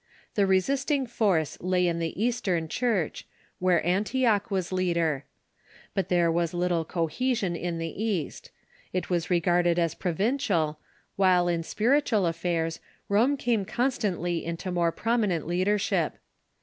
The resisting force lay in the Eastern Church, where Antioch Avas leader. But there was little cohesion in the East. It was regarded as provin cial, while in spiritual affairs Rome came constantly into more 74 THE EARLY CHURCH prominent leadership.